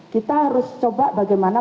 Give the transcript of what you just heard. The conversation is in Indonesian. kita harus coba bagaimana